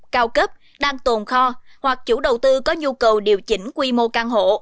cao cấp đang tồn kho hoặc chủ đầu tư có nhu cầu điều chỉnh quy mô căn hộ